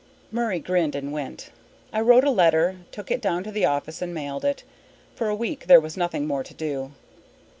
Murray grinned and went. I wrote a letter, took it down to the office, and mailed it. For a week there was nothing more to do.